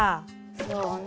そうね。